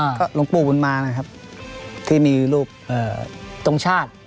ก็หลวงปู่บุญมานะครับที่มีรูปเอ่อตรงชาติ